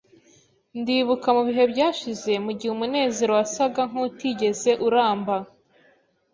Ndibuka mubihe byashize ... mugihe umunezero wasaga nkutigeze uramba